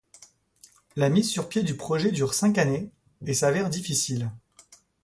La mise sur pieds du projet dure cinq années, et s'avère difficile.